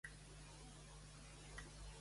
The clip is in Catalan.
Qui és el president de la Generalitat?